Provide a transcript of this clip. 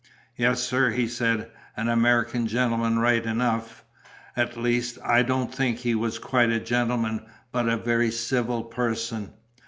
"Yes, sir," he said, "an American gentleman right enough. At least, I don't think he was quite a gentleman, but a very civil person."